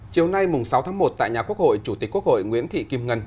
chiều nay sáu tháng một tại nhà quốc hội chủ tịch quốc hội nguyễn thị kim ngân